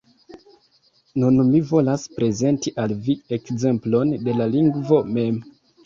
Nun mi volas prezenti al vi ekzemplon de la lingvo mem